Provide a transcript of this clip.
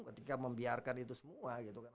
ketika membiarkan itu semua gitu kan